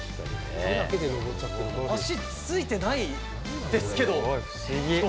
足ついてないですけど。